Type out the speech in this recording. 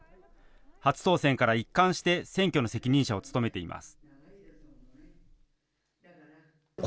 初当選から一貫して選挙の責任者を務めています。